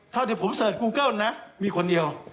เท่าที่ผมเสิร์ชกูเกิ้ลนะมีคนเดียว